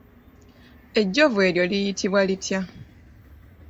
Ejjovu eryo liyitibwa litya?